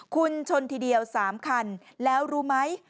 คุณชนทีเดียว๓คันแล้วรู้ไหม